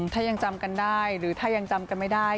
ถ้ายังจำกันได้หรือถ้ายังจำกันไม่ได้